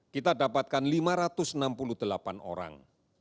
kita dapatkan lima ratus enam puluh delapan orang